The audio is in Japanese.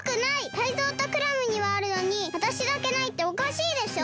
タイゾウとクラムにはあるのにわたしだけないっておかしいでしょ！？